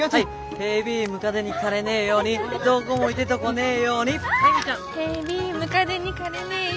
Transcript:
「ヘビムカデにかれねえようにどごもいでどごねえように」。